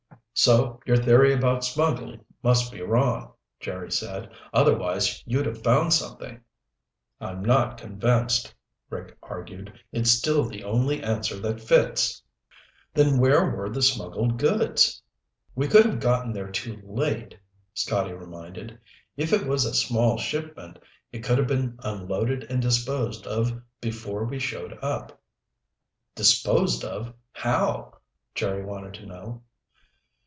"So your theory about smuggling must be wrong," Jerry said. "Otherwise, you'd have found something." "I'm not convinced," Rick argued. "It's still the only answer that fits." "Then where were the smuggled goods?" "We could have gotten there too late," Scotty reminded. "If it was a small shipment, it could have been unloaded and disposed of before we showed up." "Disposed of? How?" Jerry wanted to know.